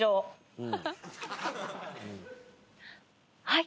はい。